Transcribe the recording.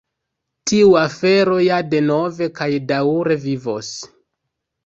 Tiu afero ja denove kaj daŭre vivos.